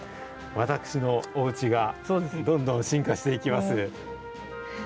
私のおうちが、どんどん進化していきます。